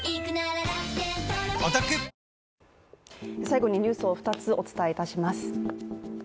最後にニュースを２つお伝えいたします。